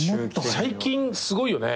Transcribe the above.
最近すごいよね。